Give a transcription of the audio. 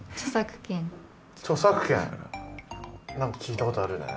著作権何か聞いたことあるよね。